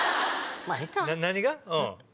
何が？